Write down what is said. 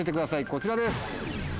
こちらです。